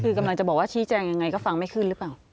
คือกำลังจะบอกว่าชี้แจงยังไงก็ฟังไม่ขึ้นหรือเปล่า